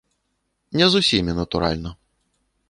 Не з усімі, натуральна.